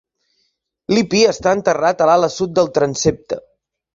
Lippi està enterrat a l'ala sud del transsepte.